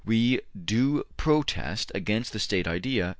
... We do protest against the `State' idea